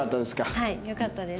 はいよかったです。